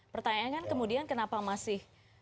pertanyaan kan kemudian kenapa masih